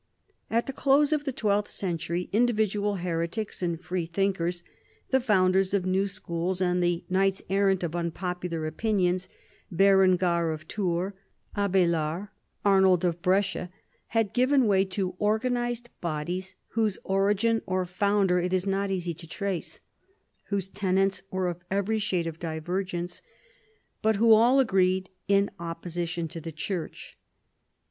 At the close of the twelfth century individual heretics and freethinkers, the founders of new schools and the knight errants of unpopular opinions, Berengar of Tours, Abailard, Arnold of Brescia, had given way to organised bodies whose origin or founder it is not easy to trace, whose tenets were of every shade of divergence, but who all agreed in opposition to the church.